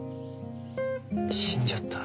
死んじゃった？